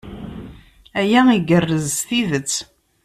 Aya igerrez s tidet.